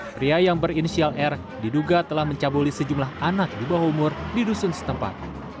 pria yang berinisial r diduga telah mencabuli sejumlah anak di bawah umur di dusun setempat